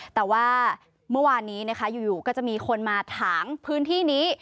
แต่ว่าเมื่อวานนี้นะคะอยู่ก็จะมีคนมาถางพื้นที่นี้